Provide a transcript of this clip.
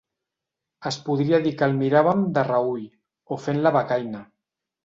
Es podria dir que el miràvem de reüll, o fent la becaina.